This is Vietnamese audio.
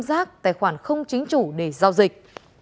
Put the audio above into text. giác tài khoản không chính chủ để giao dịch